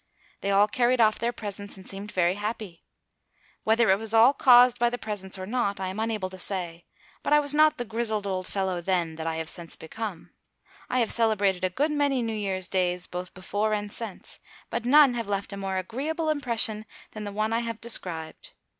They all carried off their presents and seemed very happy. Whether it was all caused by the presents or not, I am unable to say, but I was not the grizzled old fellow then that I have since become. I have celebrated a good many New Year's days, both before and since, but none have left a more agreeable impression than the one I have described.